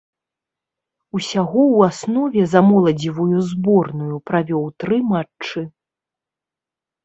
Усяго ў аснове за моладзевую зборную правёў тры матчы.